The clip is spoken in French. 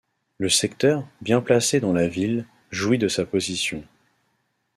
Le secteur, bien placé dans la ville, jouit de sa position.